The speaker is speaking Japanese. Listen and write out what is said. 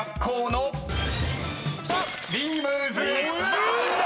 ［残念！］